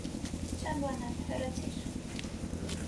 - Չեմ բանալ, հեռացի՛ր: